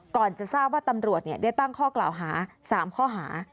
จะทราบว่าตำรวจได้ตั้งข้อกล่าวหา๓ข้อหา